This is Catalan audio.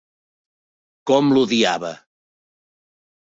Com l'odiava!